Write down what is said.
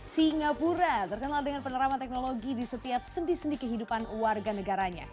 singapura terkenal dengan penerama teknologi di setiap sendi sendi kehidupan warga negaranya